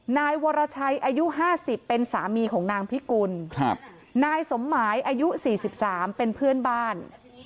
นายวรชัยอายุห้าสิบเป็นสามีของนางพิกุลครับนายสมหมายอายุสี่สิบสามเป็นเพื่อนบ้าน